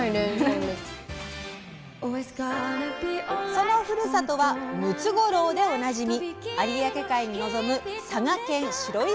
そのふるさとはムツゴロウでおなじみ有明海に臨む佐賀県白石町。